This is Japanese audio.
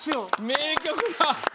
名曲だ！